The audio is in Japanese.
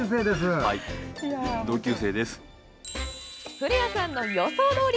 古谷さんの予想どおり！